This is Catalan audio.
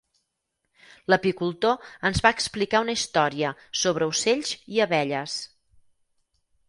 L'apicultor ens va explicar una història sobre ocells i abelles.